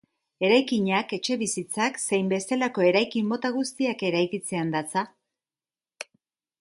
Eraikinak, etxebizitzak zein bestelako eraikin mota guztiak eraikitzean datza.